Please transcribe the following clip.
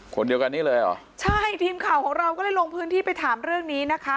คนเดียวกันนี้เลยเหรอใช่ทีมข่าวของเราก็เลยลงพื้นที่ไปถามเรื่องนี้นะคะ